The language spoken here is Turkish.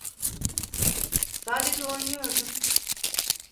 Sadece oynuyordum.